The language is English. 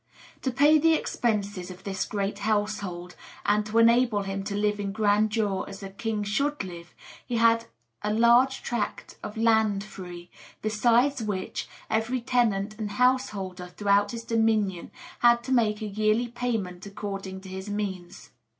To pay the expenses of his great household, and to enable him to live in grandeur as a king should live, he had a large tract of land free, besides which, every tenant and householder throughout his dominion had to make a yearly payment according to his means.